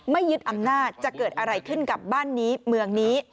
ยึดอำนาจจะเกิดอะไรขึ้นกับบ้านนี้เมืองนี้